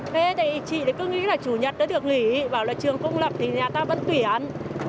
thế thì chị nó cứ nghĩ là chủ nhật nó được nghỉ bảo là trường công lập thì nhà ta vẫn tuyển